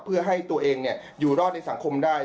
เพื่อให้ตัวเองอยู่รอดในสังคมได้